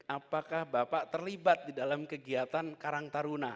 apakah bapak terlibat di dalam kegiatan karang taruna